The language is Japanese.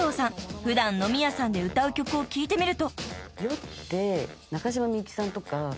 普段飲み屋さんで歌う曲を聞いてみると］